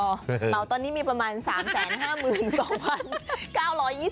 เหมาตอนนี้มีประมาณ๓๕๒๙๒๐บาท